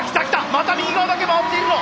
また右側だけ回っているぞ！